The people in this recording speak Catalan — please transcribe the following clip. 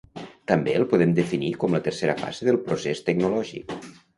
També el podem definir com la tercera fase del procés tecnològic.